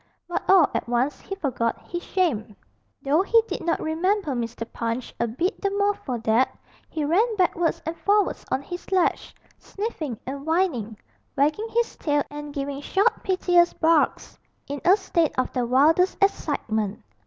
But all at once he forgot his shame, though he did not remember Mr. Punch a bit the more for that; he ran backwards and forwards on his ledge, sniffing and whining, wagging his tail and giving short piteous barks in a state of the wildest excitement.